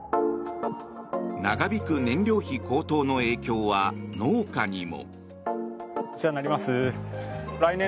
長引く燃料費高騰の影響は農家にも。